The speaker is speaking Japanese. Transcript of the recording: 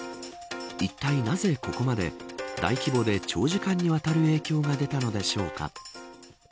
いったいなぜ、ここまで大規模で長時間に渡る影響が出たのでしょうか。